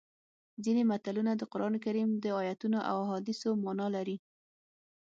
ځینې متلونه د قرانکریم د ایتونو او احادیثو مانا لري